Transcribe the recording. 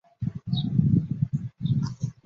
南面有两层高卵形学术报告厅。